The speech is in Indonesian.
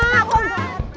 kok gak ada memet